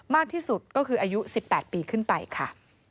มากที่สุดก็คืออายุ๑๘ปีขึ้นไปค่ะ